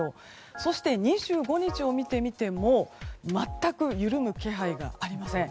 そして２５日を見てみても全く緩む気配がありません。